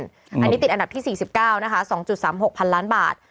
อันนี้ติดอันดับที่๔๙นะคะ๒๓๖๐๐ล้านบาท